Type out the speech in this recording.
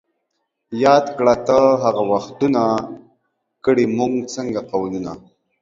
یاد کړه ته هغه وختونه ـ کړي موږ څنګه قولونه